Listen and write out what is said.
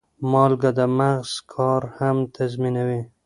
مالګه د مغز کار هم تنظیموي.